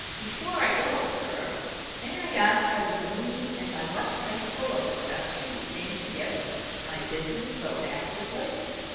Before I go, sir, may I ask how you knew me and by what principle of deduction you came to guess my business so accurately?"